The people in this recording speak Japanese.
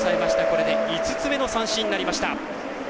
これで５つ目の三振になりました。